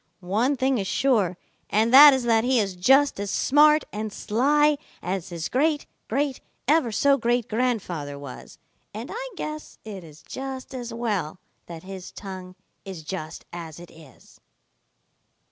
One thing is sure, and that is that he is just as smart and sly as his great great ever so great grandfather was, and I guess it is just as well that his tongue is just as it is."